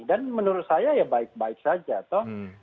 dan menurut saya ya baik baik saja toh